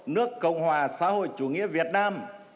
nước cộng hòa xã hội chủ nghĩa việt nam